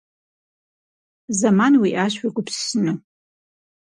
Зэман уиӀащ уегупсысыну.